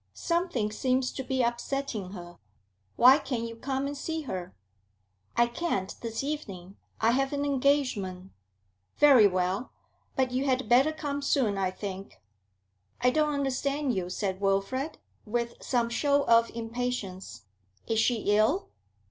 'Something seems to be upsetting her. Why can't you come and see her?' 'I can't this evening. I have an engagement.' 'Very well. But you had better come soon, I think.' 'I don't understand you,' said Wilfrid, with some show of impatience. 'Is she ill?'